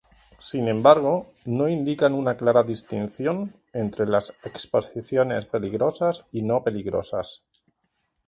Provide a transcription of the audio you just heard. Sin embargo, no indican una clara distinción entre las exposiciones peligrosas y no peligrosas.